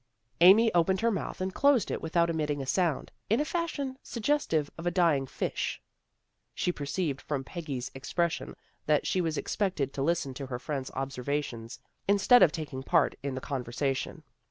Amy opened her mouth and closed it without emitting a sound, in a fashion suggestive of a dying fish. She perceived from Peggy's ex pression that she was expected to listen to her friend's observations, instead of taking part in the conversation.